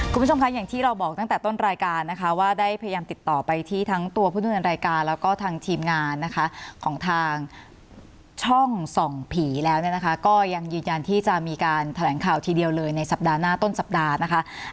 คุณผู้ชมคะอย่างที่เราบอกตั้งแต่ต้นรายการนะคะว่าได้พยายามติดต่อไปที่ทั้งตัวผู้ดำเนินรายการแล้วก็ทางทีมงานนะคะของทางช่องส่องผีแล้วเนี่ยนะคะก็ยังยืนยันที่จะมีการแถลงข่าวทีเดียวเลยในสัปดาห์หน้าต้นสัปดาห์นะคะ